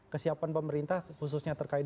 kesiapan pemerintah khususnya terkait